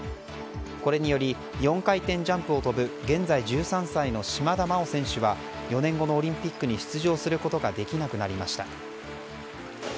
これにより４回転ジャンプを跳ぶ現在１３歳の島田麻央選手は４年後のオリンピックに出場することができなくなりました。